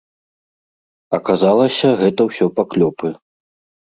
Аказалася, гэта ўсё паклёпы.